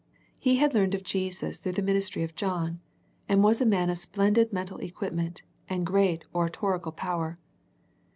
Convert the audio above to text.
He had learned of Jesus through the ministry of John, and was a man of splendid mental equipment and great oratorical power.